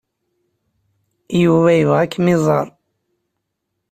Yuba yebɣa ad kem-iẓer.